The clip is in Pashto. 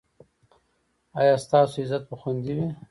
ایا ستاسو عزت به خوندي وي؟